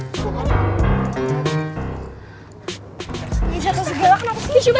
ini jatuh segala kenapa sih